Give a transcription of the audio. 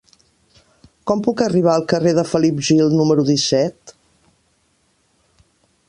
Com puc arribar al carrer de Felip Gil número disset?